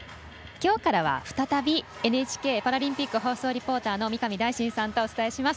きょうからは再びＮＨＫパラリンピック放送リポーターの三上大進さんとお伝えします。